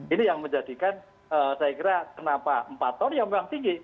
ini yang menjadikan saya kira kenapa empat ton ya memang tinggi